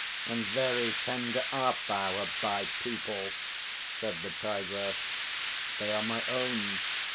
"And very tender art thou of thy people," said the Tigress. "They are my own.